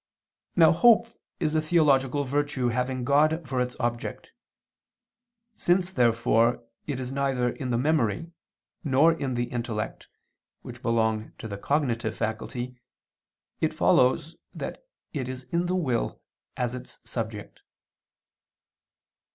Now hope is a theological virtue having God for its object. Since therefore it is neither in the memory, nor in the intellect, which belong to the cognitive faculty, it follows that it is in the will as its subject.